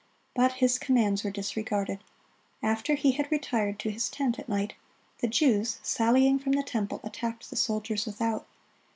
But his commands were disregarded. After he had retired to his tent at night, the Jews, sallying from the temple, attacked the soldiers without.